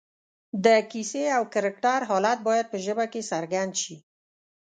د کیسې او کرکټر حالت باید په ژبه کې څرګند شي